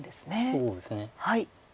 そうですね。